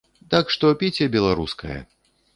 Так што піце беларускае.